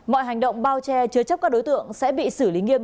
mọi hành động bao che chứa chấp các đối tượng sẽ bị xử lý nghiêm